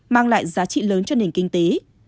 mang lại giá trị lớn cho nền kinh tế